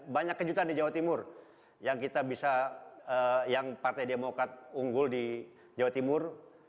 banyak kejutan di jawa timur yang partai demokrat unggul di jawa timur